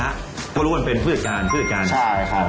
พาก็มันเป็นผู้จัดการผู้จัดการ